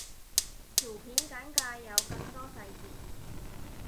條片簡介有更多細節